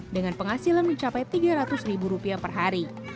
dengan penghasilan mencapai tiga ratus ribu rupiah per hari